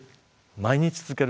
毎日続ける。